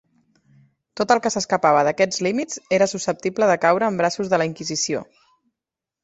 Tot el que s'escapava d'aquests límits era susceptible de caure en braços de la Inquisició.